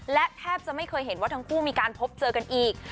และแทบจะไม่เคยเห็นว่าทั้งคู่มีการพบเจอกันอีก